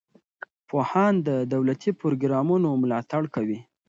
پوهان د دولتي پروګرامونو ملاتړ کوي.